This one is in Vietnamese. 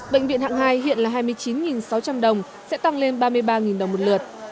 bệnh viện hạng hai hiện là hai mươi chín sáu trăm linh đồng sẽ tăng lên ba mươi ba đồng một lượt